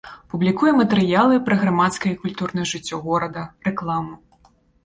Публікуе матэрыялы пра грамадскае і культурнае жыццё горада, рэкламу.